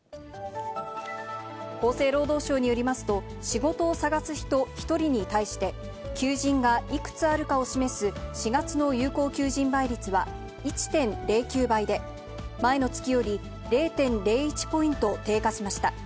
厚生労働省によりますと、仕事を探す人１人に対して、求人がいくつあるかを示す、４月の有効求人倍率は１．０９倍で、前の月より０．０１ポイント低下しました。